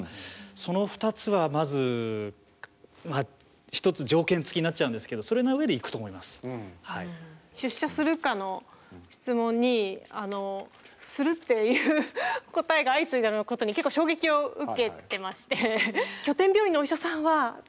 その２つはまず一つ条件付きになっちゃうんですけどそれの上で出社するかの質問にするっていう答えが相次いだことに結構衝撃を受けてまして拠点病院のお医者さんは多分行く。